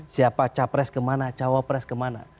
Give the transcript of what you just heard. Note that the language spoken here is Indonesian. siapa capres kemana cawapres kemana